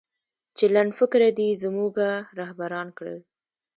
چې لنډفکره دې زموږه رهبران کړل